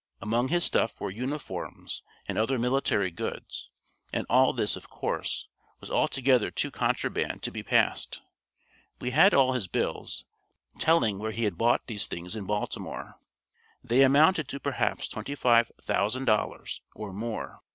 Among his stuff were uniforms and other military goods, and all this, of course, was altogether too contraband to be passed. We had all his bills, telling where he had bought these things in Baltimore. They amounted to perhaps twenty five thousand dollars, or more.